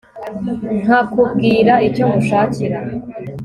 nkakubwira icyo ngushakira